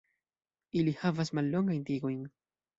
Ili havas mallongajn tigojn.